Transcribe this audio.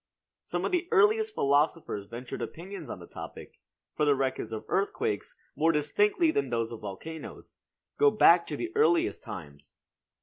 Some of the earliest philosophers ventured opinions on the topic; for the records of earthquakes, more distinctly than those of volcanoes, go back to the earliest times.